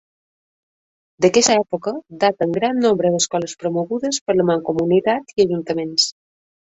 D'aquesta època daten gran nombre d'escoles promogudes per la Mancomunitat i Ajuntaments.